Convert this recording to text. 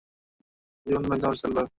জীবনের অনেক দাম রে, সেলভাম।